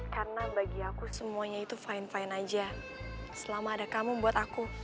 karena bagi aku semuanya itu fine fine aja selama ada kamu buat aku